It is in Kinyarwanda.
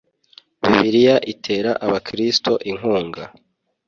Bibiliya itera Abakristo inkunga